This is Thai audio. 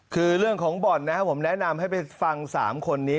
คือเรื่องของบ่อนนะครับผมแนะนำให้ไปฟัง๓คนนี้